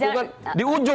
jangan jangan pak yusro